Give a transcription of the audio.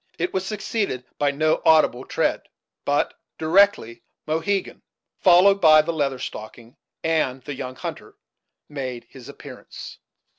It was succeeded by no audible tread; but directly Mohegan, followed by the Leather Stocking and the young hunter, made his appearance.